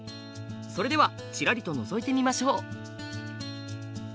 それではちらりとのぞいてみましょう。